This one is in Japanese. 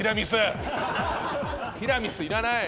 ティラミスいらない！